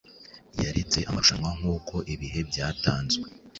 Yaretse amarushanwa nkuko ibihe byatanzwe